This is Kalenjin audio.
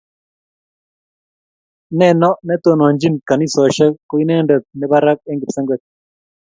Neno netonochini kanisoshek ko Inendet ne barak kipsengwet